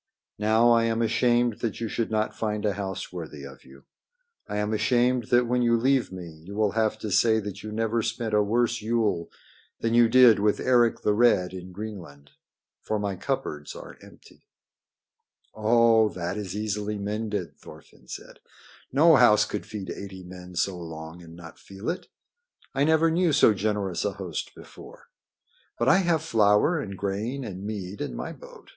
Now I am ashamed that you should not find a house worthy of you. I am ashamed that when you leave me you will have to say that you never spent a worse Yule than you did with Eric the Red in Greenland. For my cupboards are empty." "Oh, that is easily mended," Thorfinn said. "No house could feed eighty men so long and not feel it. I never knew so generous a host before. But I have flour and grain and mead in my boat.